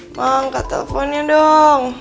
bang angkat telponnya dong